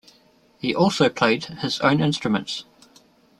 He also played his own instruments.